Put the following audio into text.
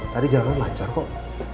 tadi jalan jalan lancar kok